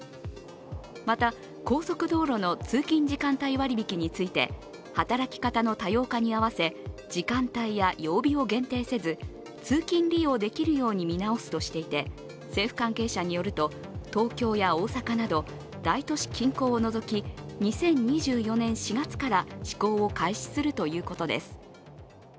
また、高速道路の通勤時間帯割引について働き方の多様化に合わせ時間帯や曜日を限定せず通勤利用できるように見直すとしていて政府関係者によると東京や大阪など大都市近郊を除き、２０２４年４月から試行を開始するということです。